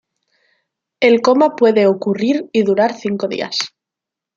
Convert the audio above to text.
El coma puede ocurrir y durar cinco días.